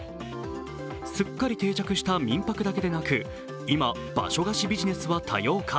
すっかり定着した民泊だけでなく今、場所貸しビジネスは多様化。